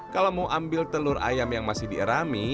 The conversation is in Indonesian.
kalau mau ambil telur ayam yang masih dierami